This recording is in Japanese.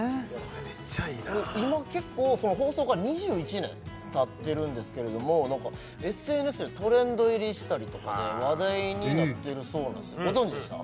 めっちゃいいなあ今結構放送から２１年たってるんですけれどもＳＮＳでトレンド入りしたりとかで話題になってるそうなんですよえっご存じでした？